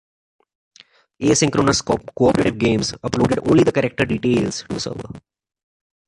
Asynchronous cooperative games upload only the character details to the server.